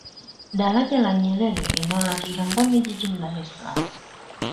Daraja la Nyerere eneo la Kigamboni jijini Dar es salaam